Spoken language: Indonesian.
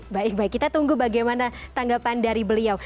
baik baik kita tunggu bagaimana tanggapan dari beliau